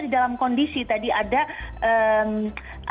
di dalam kondisi tadi ada ada yang berpikir